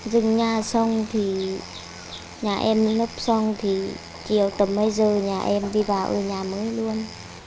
dừng nhà xong thì nhà em nấp xong thì chiều tầm mấy giờ nhà em đi vào ở nhà mới luôn